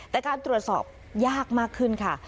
แต่การตรวจสอบยากมากขึ้นค่ะ